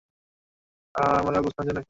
আমরা প্রস্থানের জন্য এক নম্বরে।